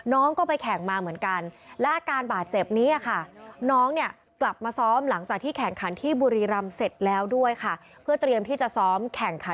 น้องก็ไปแข่งมาเหมือนกันและการบาดเจ็บนี้ค่ะ